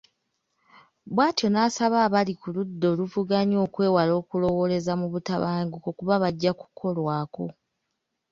Bw’atyo n’asaba abali ku ludda oluvuganya okwewala okulowooleza mu butabanguko kuba bajja kukolwako.